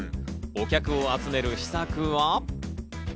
お客を集める秘策は？